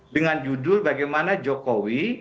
dengan judul bagaimana jokowi